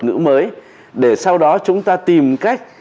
ngữ mới để sau đó chúng ta tìm cách